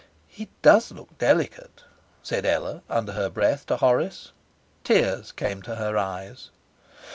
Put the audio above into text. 'He DOES look delicate,' said Ella under her breath to Horace. Tears came to her eyes.